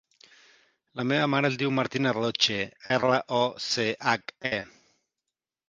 La meva mare es diu Martina Roche: erra, o, ce, hac, e.